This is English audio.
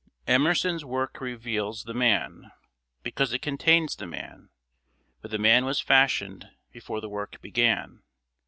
Emerson's work reveals the man, because it contains the man, but the man was fashioned before the work began.